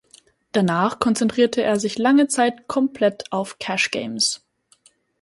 Danach konzentrierte er sich lange Zeit komplett auf "Cash Games".